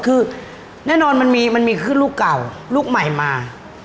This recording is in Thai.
คือแน่นอนมันมีขึ้นลูกเก่าลูกใหม่มา